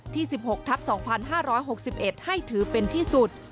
๑๖ทับ๒๕๖๑ให้ถือเป็นที่สุด